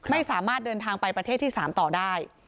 ไม่สามารถเดินทางไปประเทศที่๓ต่อได้